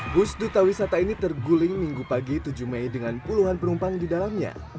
bus duta wisata ini terguling minggu pagi tujuh mei dengan puluhan penumpang di dalamnya